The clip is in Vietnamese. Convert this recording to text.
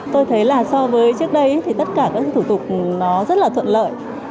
tôi thấy là so với trước đây thì tất cả các thủ tục nó rất là thuận lợi